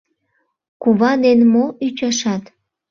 Кува ден мо ӱчашат?